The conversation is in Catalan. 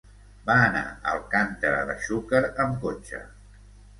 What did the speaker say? Va anar a Alcàntera de Xúquer amb cotxe.